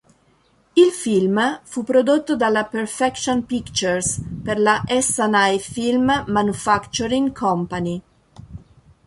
Il film fu prodotto dalla Perfection Pictures per la Essanay Film Manufacturing Company.